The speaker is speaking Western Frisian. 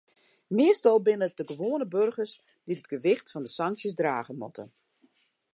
Meastal binne it de gewoane boargers dy't it gewicht fan de sanksjes drage moatte.